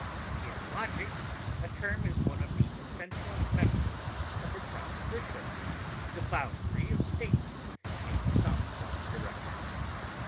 In logic a term is one of the essential members of a proposition, the boundary of statement in some one direction.